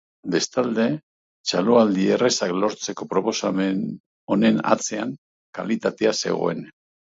Bestalde, txaloaldi errazak lortzeko proposamen honen atzean kalitatea zegoen.